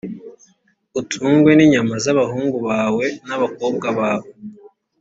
utungwe n’inyama z’abahungu bawe n’abakobwa bawe,